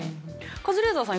カズレーザーさん